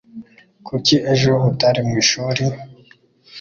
Kuki ejo utari mwishuri?